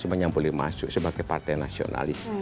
semua yang boleh masuk sebagai partai nasionalis